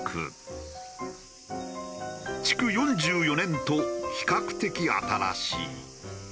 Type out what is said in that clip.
築４４年と比較的新しい。